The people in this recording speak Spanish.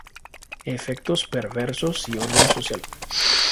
Efectos perversos y orden social.